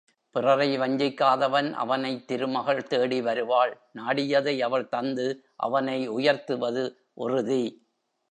பிறரை வஞ்சிக்காதவன் அவனைத் திருமகள் தேடி வருவாள் நாடியதை அவள் தந்து அவனை உயர்த்துவது உறுதி.